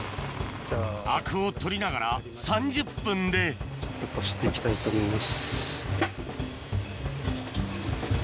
アクを取りながら３０分でこして行きたいと思います。